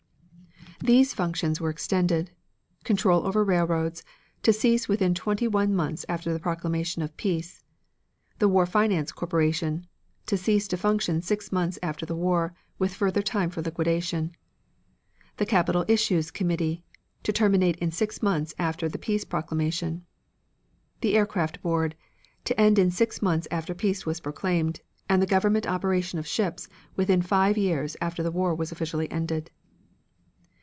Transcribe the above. These functions were extended: Control over railroads: to cease within twenty one months after the proclamation of peace. The War Finance Corporation: to cease to function six months after the war, with further time for liquidation. The Capital Issues Committee: to terminate in six months after the peace proclamation. The Aircraft Board: to end in six months after peace was proclaimed; and the government operation of ships, within five years after the war was officially ended.